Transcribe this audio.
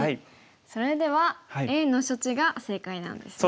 それではＡの処置が正解なんですね。